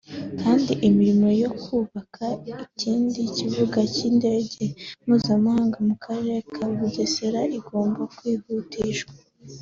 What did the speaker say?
kandi imirimo yo kubaka ikindi kibuga cy’indege mpuzamahanga mu karere ka Bugesera igomba kwihutishwa